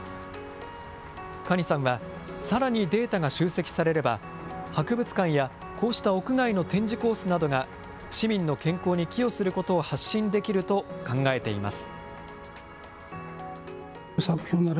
可児さんは、さらにデータが集積されれば、博物館やこうした屋外の展示コースなどが市民の健康に寄与することを発信できると考えています。